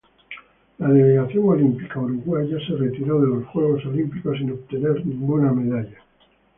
La delegación olímpica uruguaya se retiró de los Juegos Olímpicos sin obtener ninguna medalla.